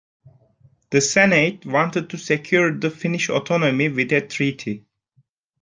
The Senate wanted to secure the Finnish autonomy with a treaty.